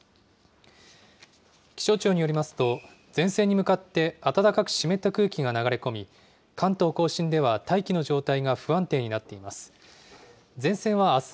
気象庁によりますと、前線に向かって暖かく湿った空気が流れ込み、関東甲信では大気の状態が不安定になっています。